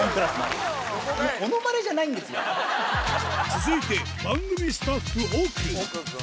続いて番組スタッフ奥奥くん？